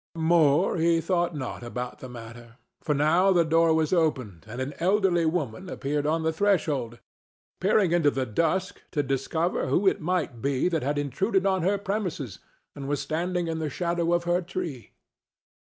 More he thought not about the matter, for now the door was opened and an elderly woman appeared on the threshold, peering into the dusk to discover who it might be that had intruded on her premises and was standing in the shadow of her tree.